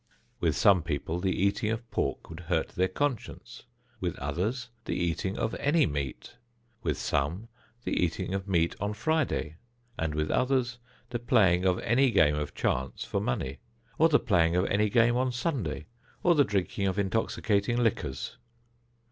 With some people the eating of pork would hurt their conscience; with others the eating of any meat; with some the eating of meat on Friday, and with others the playing of any game of chance for money, or the playing of any game on Sunday, or the drinking of intoxicating liquors.